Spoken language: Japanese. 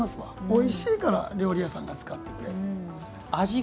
おいしいから料理屋さんが使ってくれる。